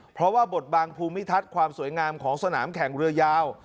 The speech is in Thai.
เพราะว่าบทบางภูมิทัศน์ความสวยงามของสนามแข่งเรือยาว